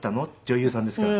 女優さんですから。